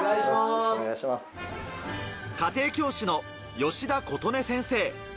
家庭教師の吉田琴音先生。